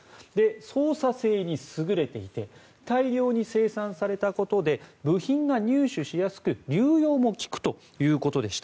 操作性に優れていて大量に生産されたことで部品が入手しやすく流用も利くということでした。